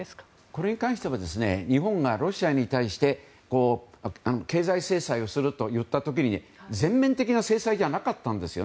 これに関しては日本がロシアに対して経済制裁をすると言った時に全面的な制裁じゃなかったんです。